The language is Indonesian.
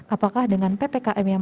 apakah dengan ppkm yang